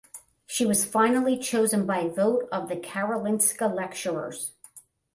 She was finally chosen by vote of the Karolinska lecturers.